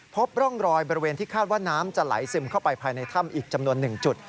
พบร่องรอยบริเวณที่คาดว่าน้ำจะไหลซึมเข้าไปภายในถ้ำอีกจำนวน๑จุด